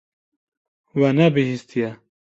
We nebihîstiye.